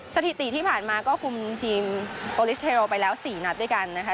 สถิติที่ผ่านมาก็คุมทีมโอลิสเทโรไปแล้ว๔นัดด้วยกันนะคะ